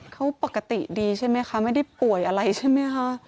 เขาปกติดีใช่ไหมคะไม่ได้ป่วยอะไรใช่ไหมคะ